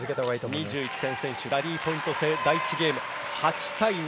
２１点先取ラリーポイント制、第１ゲーム８対７。